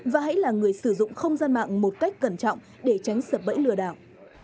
và hãy là người sử dụng không gian mạng một cách cẩn trọng để tránh sập bẫy lừa đảo